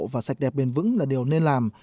và sạch đẹp bền vững là điều nên làm